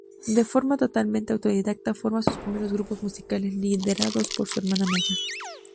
De forma totalmente autodidacta, forma sus primeros grupos musicales, liderados por su hermana mayor.